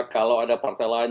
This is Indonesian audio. kalau ada partai lain